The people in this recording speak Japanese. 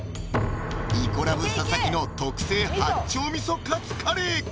「イコラブ」・佐々木の特製八丁みそカツカレーか？